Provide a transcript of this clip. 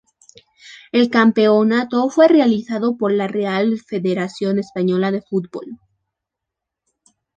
El campeonato fue organizado por la Real Federación Española de Fútbol.